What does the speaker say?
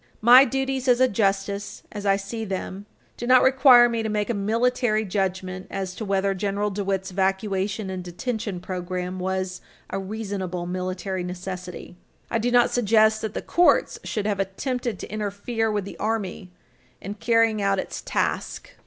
My duties as a justice, as I see them, do not require me to make a military judgment as to whether General DeWitt's evacuation and detention program was a reasonable military necessity. I do not suggest that the courts should have attempted to interfere with the Army in carrying out its task.